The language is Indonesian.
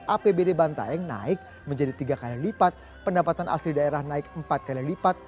apbd bantaeng naik menjadi tiga kali lipat pendapatan asli daerah naik empat kali lipat